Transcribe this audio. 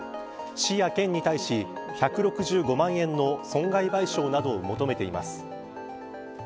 市や県に対し１６５万円の損害賠償などを求めています。